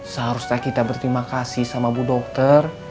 seharusnya kita berterima kasih sama bu dokter